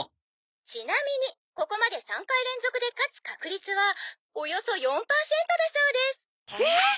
「ちなみにここまで３回連続で勝つ確率はおよそ４パーセントだそうです」えっ！？